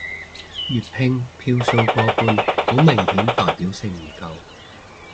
粵拼票數過半好明顯代表性唔夠